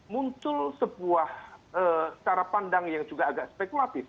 muncul sebuah cara pandang yang juga agak spekulatif